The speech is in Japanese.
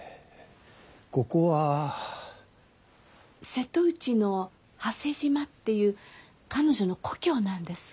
瀬戸内の波瀬島っていう彼女の故郷なんです。